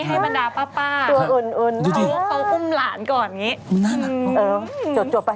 ให้มันดาป้าตัวอุ่นแล้วเขาอุ้มหลานก่อนอย่างนี้เออจบไป